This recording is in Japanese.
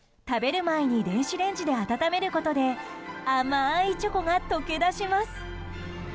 食べる前に電子レンジで温めることで甘いチョコが溶け出します。